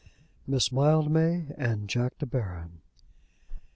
MISS MILDMAY AND JACK DE BARON.